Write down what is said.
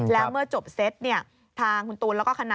แล้วเมื่อจบเซตทางคุณตูนแล้วก็คณะ